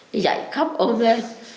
thì dậy khóc ôm lên